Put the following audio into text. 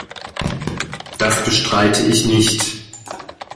Das bestreite ich nicht.